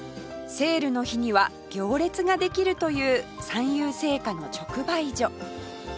セールの日には行列ができるという三祐製菓の直売所